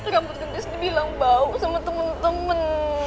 rambut gendis dibilang bau sama temen temen